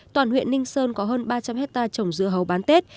toàn huyện ninh sơn có hơn ba trăm linh hectare trồng dưa hấu bán tết